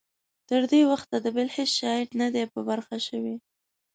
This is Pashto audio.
تر دې وخته د بل هیڅ شاعر نه دی په برخه شوی.